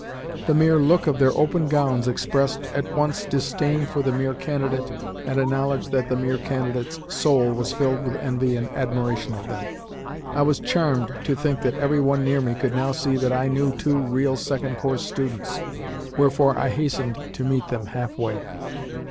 The mere look of their open gowns expressed at once disdain for the "mere candidate" and a knowledge that the "mere candidate's" soul was filled with envy and admiration of them. I was charmed to think that every one near me could now see that I knew two real second course students: wherefore I hastened to meet them half way.